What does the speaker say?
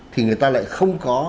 thì người ta lại không có